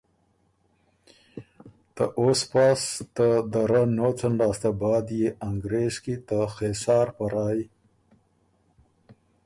ته اوسپاس ته دَرَۀ نوڅن لاسته بعد يې انګرېز کی ته خېسار په رایٛ